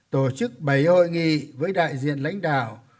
tổ chức bảy hội nghị với đại diện lãnh đạo